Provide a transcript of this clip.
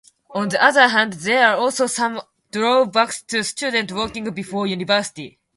On the other hand, there are also some drawbacks to students working before university.